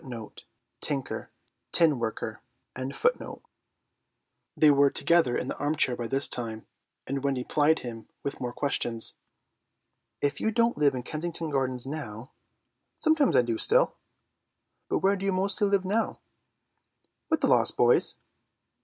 They were together in the armchair by this time, and Wendy plied him with more questions. "If you don't live in Kensington Gardens now—" "Sometimes I do still." "But where do you live mostly now?" "With the lost boys."